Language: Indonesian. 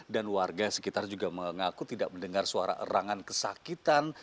dan warga sekitar juga mengaku tidak mendengar suara erangan kesakitan